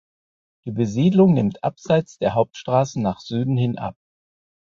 Die Besiedlung nimmt abseits der Hauptstraßen nach Süden hin ab.